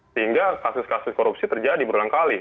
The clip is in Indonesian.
sehingga kasus kasus korupsi terjadi berulang kali